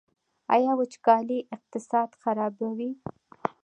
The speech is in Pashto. آیا وچکالي اقتصاد خرابوي؟